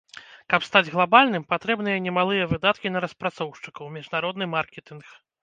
Каб стаць глабальным, патрэбныя немалыя выдаткі на распрацоўшчыкаў, міжнародны маркетынг.